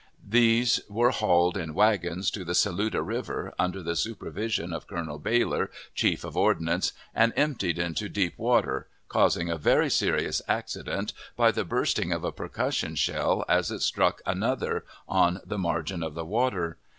These were hauled in wagons to the Saluda River, under the supervision of Colonel Baylor, chief of ordnance, and emptied into deep water, causing a very serious accident by the bursting of a percussion shell, as it struck another on the margin of the water.